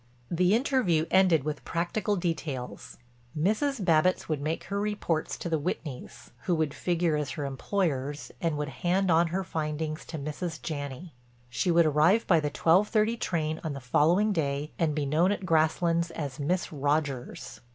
The interview ended with practical details: Mrs. Babbitts would make her reports to the Whitneys, who would figure as her employers and would hand on her findings to Mrs. Janney. She would arrive by the twelve thirty train on the following day and be known at Grasslands as Miss Rodgers.